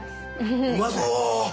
うまそう！